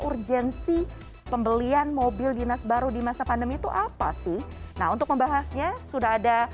urgensi pembelian mobil dinas baru di masa pandemi itu apa sih nah untuk membahasnya sudah ada